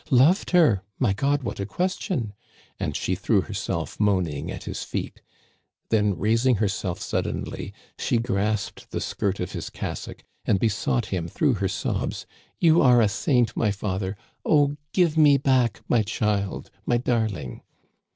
"* Loved her ? My God, what a question !' And she threw herself moaning at his feet. Then, raising herself suddenly, she grasped the skirt of his cassock and besought him through her sobs :* You are a saint, my father ; oh, give me back my child — my darling